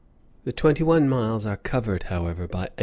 The twenty one miles are covered, however, by 8.